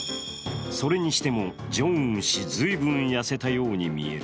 それにしてもジョンウン氏、ずいぶん痩せたように見える。